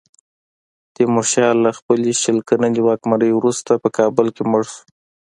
تیمورشاه له خپلې شل کلنې واکمنۍ وروسته په کابل کې مړ شو.